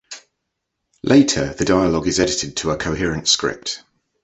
Later, the dialog is edited to a coherent script.